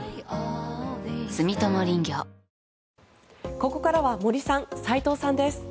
ここからは森さん、斎藤さんです。